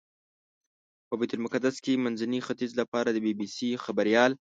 په بیت المقدس کې د منځني ختیځ لپاره د بي بي سي خبریال.